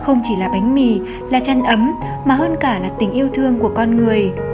không chỉ là bánh mì là chăn ấm mà hơn cả là tình yêu thương của con người